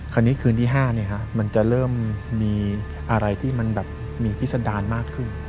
คันนี้คืนที่๕มันจะเริ่มมีอะไรที่มีพิสดารมากขึ้น